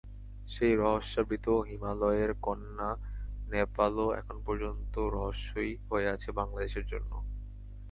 সেই রহস্যাবৃত হিমালয়ের কন্যা নেপালও এখন পর্যন্ত রহস্যই হয়ে আছে বাংলাদেশের জন্য।